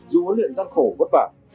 dù huấn luyện gian khổ vất vả